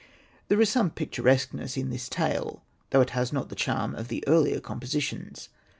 There is some picturesqueness in this tale, though it has not the charm of the earlier compositions.